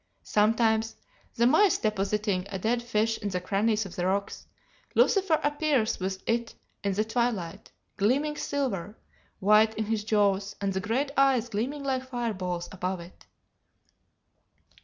Sometimes, the mice depositing a dead fish in the crannies of the rocks, Lucifer appears with it in the twilight, gleaming silver white in his jaws, and the great eyes gleaming like fire balls above it.